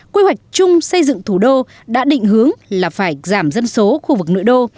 quy hoạch chung xây dựng thủ đô đã định hướng là phải giảm dân số khu vực nội đô